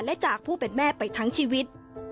และจากผู้เป็นแม่ไปทั้งชีวิต